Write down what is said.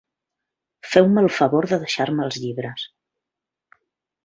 Feu-me el favor de deixar-me els llibres.